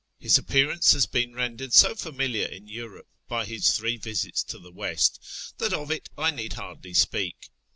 His appearance has been rendered so familiar in Europe by his three visits to the west, that of it I need hardly speak.